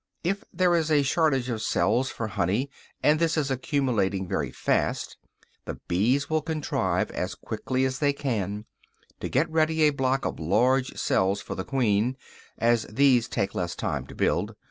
If there is a shortage of cells for honey, and this is accumulating very fast, the bees will contrive, as quickly as they can, to get ready a block of large cells for the queen, as these take less time to build.